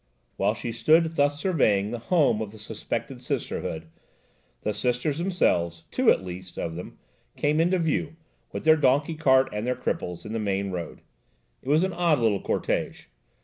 While she stood thus surveying the home of the suspected Sisterhood, the Sisters themselves–two, at least, of them–came into view, with their donkey cart and their cripples, in the main road. It was an odd little cortège.